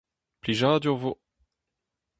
Plijadur 'vo !